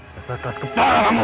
ketakas kepala kamu